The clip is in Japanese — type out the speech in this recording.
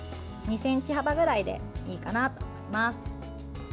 ２ｃｍ幅ぐらいでいいかなと思います。